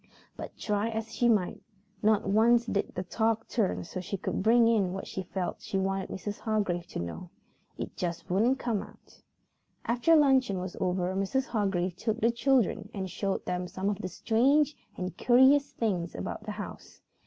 But try as she might, not once did the talk turn so she could bring in what she felt she wanted Mrs. Hargrave to know. It just wouldn't come about. After luncheon was over Mrs. Hargrave took the children and showed them some of the strange and curious things about the house.